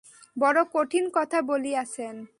বড়ো ঠিক কথা বলিয়াছেন।